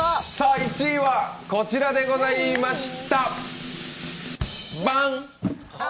１位はこちらでございました。